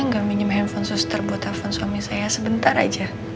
saya boleh gak minum handphone suster buat handphone suami saya sebentar aja